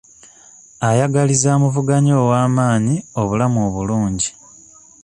Ayagaliza amuvuganya ow'amaanyi, obulamu obulungi.